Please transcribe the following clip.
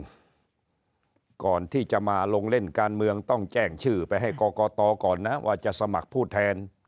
ก่อนที่จะมาลงเล่นการเมืองต้องแจ้งชื่อไปให้กรกตก่อนนะว่าจะสมัครผู้แทน